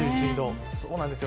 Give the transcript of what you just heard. そうなんですよ。